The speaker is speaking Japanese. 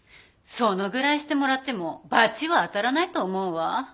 そのぐらいしてもらっても罰は当たらないと思うわ。